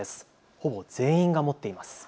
ほぼ全員が持っています。